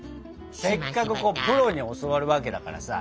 せっかくプロに教わるわけだからさ。